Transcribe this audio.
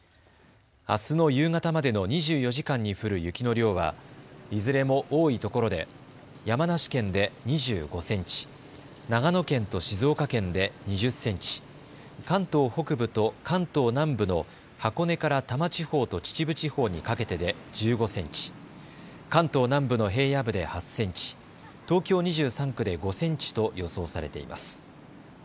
あすの夕方までの２４時間に降る雪の量はいずれも多いところで山梨県で２５センチ、長野県と静岡県で２０センチ、関東北部と関東南部の箱根から多摩地方と秩父地方にかけてで１５センチ、関東南部の平野部で８センチ、東京２３区で５センチと予想されています。